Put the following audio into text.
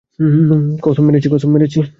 কসম, মেরেছি!